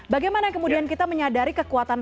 bagaimana kemudian kita menyadari kekuatan